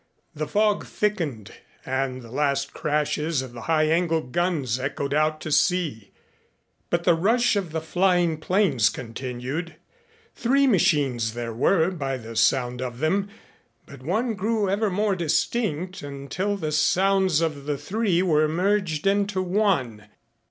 The fog thickened and the last crashes of the high angle guns echoed out to sea, but the rush of the flying planes continued. Three machines there were by the sound of them, but one grew ever more distinct until the sounds of the three were merged into one.